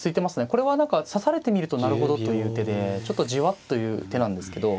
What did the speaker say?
これは何か指されてみるとなるほどという手でちょっとじわっという手なんですけど。